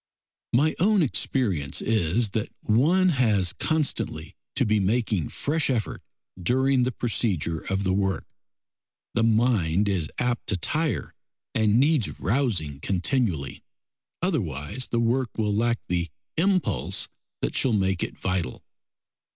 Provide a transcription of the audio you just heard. My own experience is that one has constantly to be making fresh effort during the procedure of the work. The mind is apt to tire and needs rousing continually, otherwise the work will lack the impulse that shall make it vital.